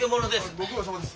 ご苦労さまです。